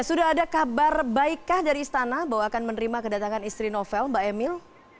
sudah ada kabar baikkah dari istana bahwa akan menerima kedatangan istri novel mbak emil